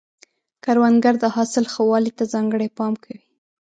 کروندګر د حاصل ښه والي ته ځانګړی پام کوي